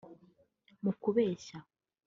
mu kubeshya